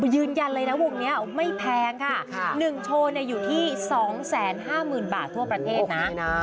ยืนยันเลยนะวงนี้ไม่แพงค่ะ๑โชว์อยู่ที่๒๕๐๐๐บาททั่วประเทศนะ